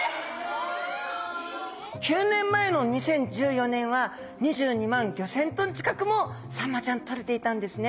９年前の２０１４年は２２万５，０００ｔ近くもサンマちゃんとれていたんですね。